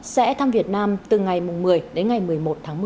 sẽ thăm việt nam từ ngày một mươi đến ngày một mươi một tháng một mươi